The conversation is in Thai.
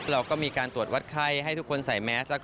เราก็มีการตรวจวัดไข้ให้ทุกคนใส่แมส